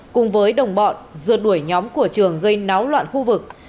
cùng với đồng bọn rượt đuổi nhóm của trường gây náo loạn khu vực